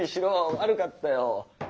悪かったよ！